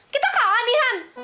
kita kalah nih han